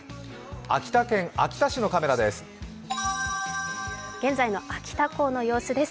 秋田県秋田市のカメラです。